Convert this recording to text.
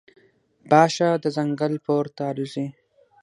باښه د ځنګل پورته الوزي.